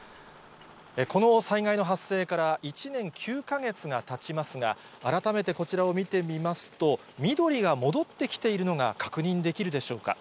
この災害の発生から１年９か月がたちますが、改めてこちらを見てみますと、緑が戻ってきているのが確認できるでしょうか。